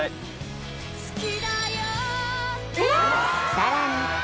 さらにあ